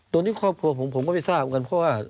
โดนที่ครอบครัวผมผมไม่ทราบกันเพราะว่า